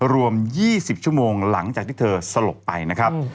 รวม๒๐ชั่วโมงหลังจากที่เธอสลบไปนะครับ